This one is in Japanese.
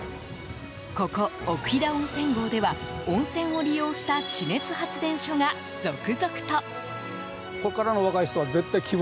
ここ、奥飛騨温泉郷では温泉を利用した地熱発電所が続々と。